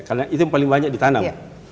karena itu yang paling banyak ditanam